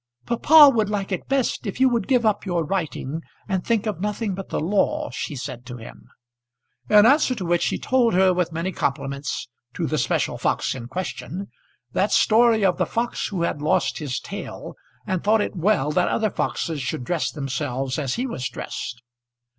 "Papa would like it best if you would give up your writing, and think of nothing but the law," she said to him. In answer to which he told her, with many compliments to the special fox in question, that story of the fox who had lost his tail and thought it well that other foxes should dress themselves as he was dressed.